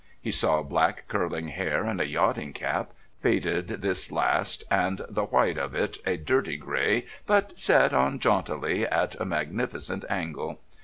He saw black curling hair and a yachting cap, faded this last and the white of it a dirty grey but set on jauntily at a magnificent angle.